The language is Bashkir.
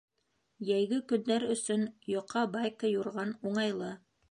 Йәйге көндәр өсөн йоҡа байка юрған уңайлы.